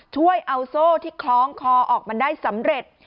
ช่วยเอาโซ่ที่คล้องคอออกมาได้สำเร็จ